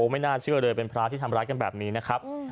ไม่น่าเชื่อเลยเป็นพระที่ทำร้ายกันแบบนี้นะครับ